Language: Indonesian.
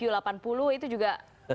delapan puluh itu juga